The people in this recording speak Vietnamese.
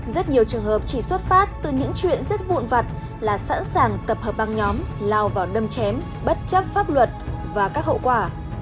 rất nhiều trường hợp chỉ xuất phát từ những chuyện rất vụn vặt là sẵn sàng tập hợp băng nhóm lao vào đâm chém bất chấp pháp luật và các hậu quả